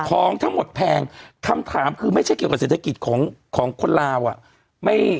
ของทั้งหมดแพงคำถามคือไม่ใช่เกี่ยวกับเศรษฐกิจของคนลาวอ่ะ